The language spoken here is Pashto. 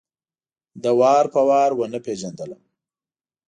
ده وار په وار ونه پېژندلم.